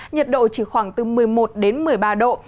nhiệt độ chỉ khoảng từ một mươi một đến một mươi ba độ